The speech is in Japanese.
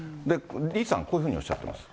リさん、こういうふうにおっしゃってます。